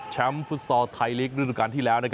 แชมปฟรุตซอร์ไทยลิกพัดฐานที่แล้ว